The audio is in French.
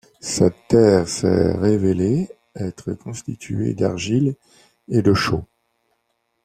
Cette terre s’est révélée être constituée d’argile et de chaux.